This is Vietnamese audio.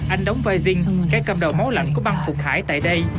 anh đóng vai zinc cái cầm đầu máu lạnh có băng phục hải tại đây